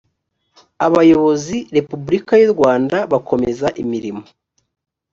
abayobozi repubulika y u rwanda bakomeza imirimo